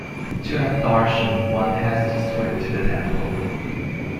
To have darshan one has to swim to the temple.